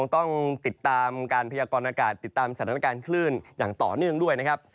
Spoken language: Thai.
ต้องติดตามการพยากรณากาศติดตามสถานการณ์คลื่นอย่างต่อเนื่องด้วยนะครับ